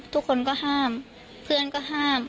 ทุกคนก็ห้ามเพื่อนก็ห้าม